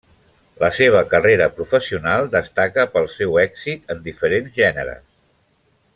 La seva carrera professional destaca pel seu èxit en diferents gèneres.